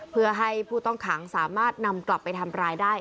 เพื่อให้ผู้ต้องขังสามารถนำกลับไปทำร้ายได้